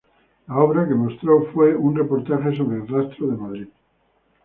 La obra que mostró fue un reportaje sobre el Rastro de Madrid.